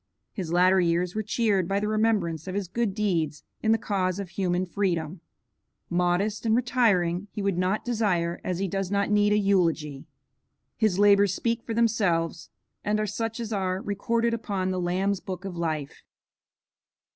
His latter years were cheered by the remembrance of his good deeds in the cause of human freedom. Modest and retiring, he would not desire, as he does not need, a eulogy. His labors speak for themselves, and are such as are recorded upon the Lamb's Book of Life.